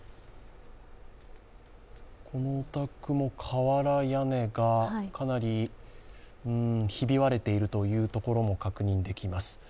このお宅も瓦屋根がかなりひび割れているというところも確認できます。